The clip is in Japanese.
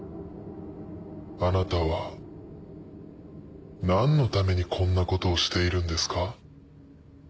あなたは何のためにこんなことをしているんですか？